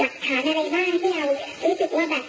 ก็คือพฤตเตรียม